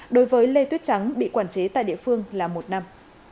đối với lê tuyết trắng bị quản chế tại địa phương là một năm